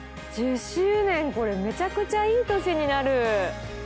１０周年これめちゃくちゃいい年になる！